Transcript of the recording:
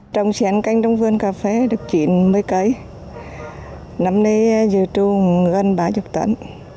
trong sen canh trong vườn cà phê được chín mươi cây năm nay dự tru gần ba mươi tấn